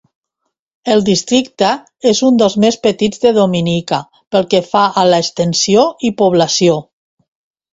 El districte és un dels més petits de Dominica pel que fa a l'extensió i població.